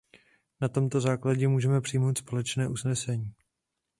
Na tomto základě můžeme přijmout společné usnesení.